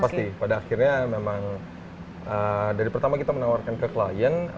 pasti pada akhirnya memang dari pertama kita menawarkan ke klien